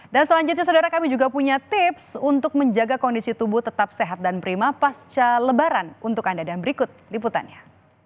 dan selanjutnya saudara kami juga punya tips untuk menjaga kondisi tubuh tetap sehat dan prima pasca lebaran untuk anda dan berikut liputannya